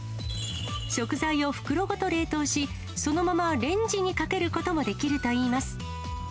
食材を袋ごと冷凍し、そのままレンジにかけることもできるといいます。